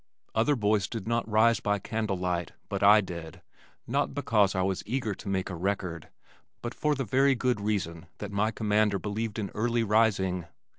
Other boys did not rise by candle light but I did, not because I was eager to make a record but for the very good reason that my commander believed in early rising.